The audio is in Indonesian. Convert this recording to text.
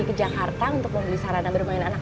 benar bapak mau nikah sama mama eros